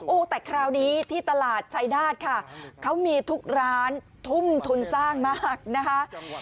โอ้โหแต่คราวนี้ที่ตลาดชายนาฏค่ะเขามีทุกร้านทุ่มทุนสร้างมากนะคะ